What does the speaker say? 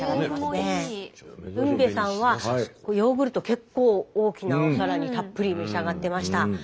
海辺さんはヨーグルト結構大きなお皿にたっぷり召し上がってました。